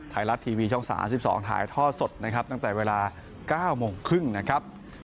ไทยรัฐทีวีช่อง๓๒ถ่ายท่อสดนะครับตั้งแต่เวลา๙โมงครึ่งนะครับ